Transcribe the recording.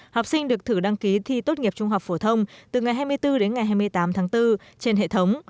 học sinh được thử đăng ký thi tốt nghiệp trung học phổ thông từ ngày hai mươi bốn đến ngày hai mươi tám tháng bốn trên hệ thống